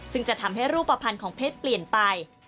ซึ่งจะทำให้รูปภัณฑ์ของเพชรเปลี่ยนไป